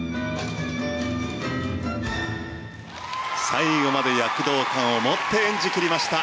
最後まで躍動感を持って演じ切りました。